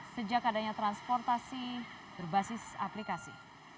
sejak adanya transportasi berbasis aplikasi